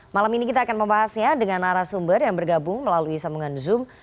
malam ini kita akan membahasnya dengan arah sumber yang bergabung melalui sambungan zoom